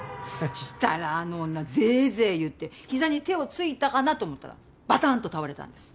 したらあの女ゼーゼー言って膝に手をついたかなと思ったらバタンと倒れたんです。